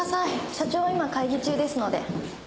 社長は今会議中ですので。